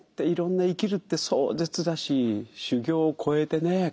いろんな生きるって壮絶だし修行を超えてね。